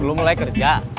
belum mulai kerja